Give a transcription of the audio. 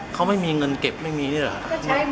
เขาไม่มีเงินเก็บไม่มีนี่เหรอ